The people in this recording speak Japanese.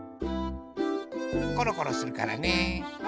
コロコロするからね。